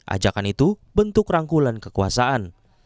ajakan itu bentuk rangkulan kekuasaan